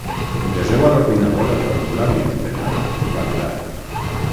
Deseu a l'ordinador el formulari emplenat i validat.